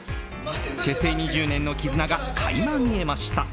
結成２０年の絆が垣間見えました。